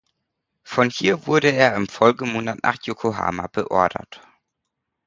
Von hier wurde er im Folgemonat nach Yokohama beordert.